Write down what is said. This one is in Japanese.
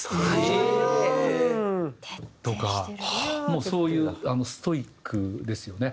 もうそういうストイックですよね。